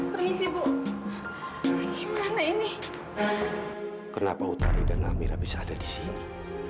permisi bu gimana ini kenapa utari dan amira bisa ada di sini